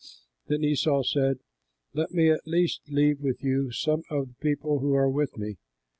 Then Esau said, "Let me at least leave with you some of the people who are with me."